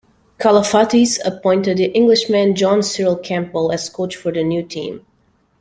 Kalafatis appointed the Englishman John Cyril Campbell as coach for the new team.